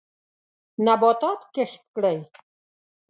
نباتات کښت کړئ.